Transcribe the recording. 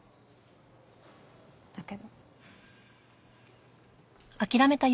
だけど。